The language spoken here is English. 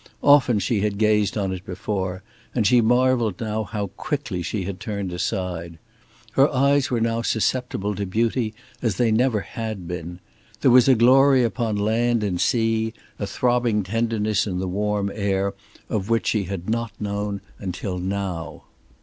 Often she had gazed on it before, and she marveled now how quickly she had turned aside. Her eyes were now susceptible to beauty as they had never been. There was a glory upon land and sea, a throbbing tenderness in the warm air of which she had not known till now.